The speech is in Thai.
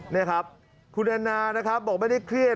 นี่ครับคุณแอนนานะครับบอกไม่ได้เครียด